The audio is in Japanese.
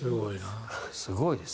すごいです。